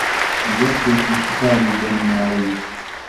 دەستێکی شکا بوو بە مناڵی